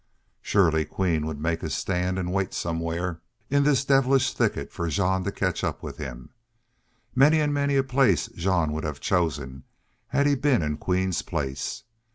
Surely Queen would make his stand and wait somewhere in this devilish thicket for Jean to catch up with him. Many and many a place Jean would have chosen had he been in Queen's place.